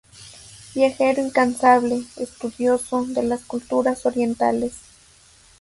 Viajero incansable, estudioso de las culturas orientales.